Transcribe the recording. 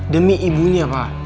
demi ibunya pak